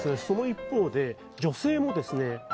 その一方で女性もですね